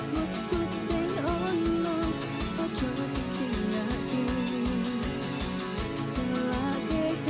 masalah yang paling kuat